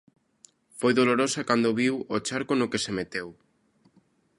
Foi dolorosa cando viu o charco no que se meteu.